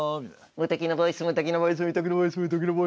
「無敵のボイス」。